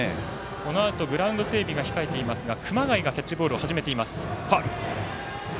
このあとグラウンド整備が控えていますが熊谷がキャッチボールを始めています。